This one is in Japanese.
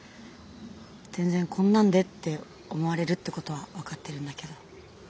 全然こんなんでって思われるってことは分かってるんだけど。